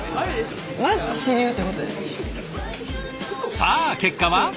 さあ結果は？